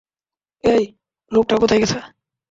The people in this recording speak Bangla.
এই, লোকটা কোথায় গেছে?